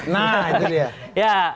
nah itu dia